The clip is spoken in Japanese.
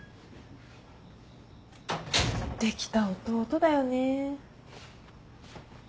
できた弟だよね。